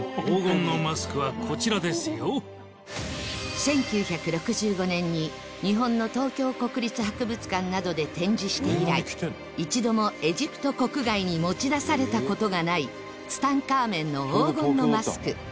１９６５年に日本の東京国立博物館などで展示して以来一度もエジプト国外に持ち出された事がないツタンカーメンの黄金のマスク